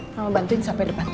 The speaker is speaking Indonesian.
mama bantuin sampai depan toilet